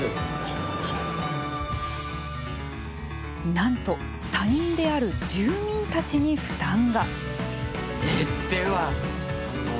なんと、他人である住民たちに負担が。